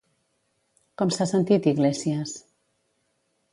Com s'ha sentit Iglesias?